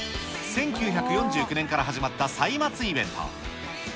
１９４９年から始まった歳末イベント。